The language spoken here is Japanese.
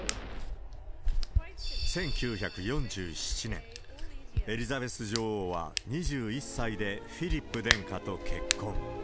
１９４７年、エリザベス女王は２１歳でフィリップ殿下と結婚。